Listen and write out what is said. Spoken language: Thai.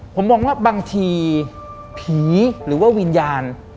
ผมมองว่าบางทีผีหรือว่าวิญญาณ